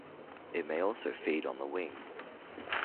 It may also feed on the wing.